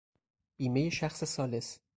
بیمهی شخص ثالث